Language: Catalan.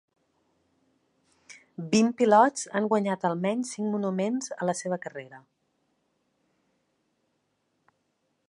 Vint pilots han guanyat al menys cinc monuments a la seva carrera.